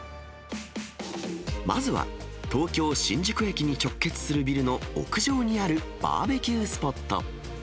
まずは、東京・新宿駅に直結するビルの屋上にあるバーベキュースポット。